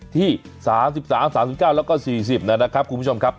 ที่๓๓๙แล้วก็๔๐นะครับคุณผู้ชมครับ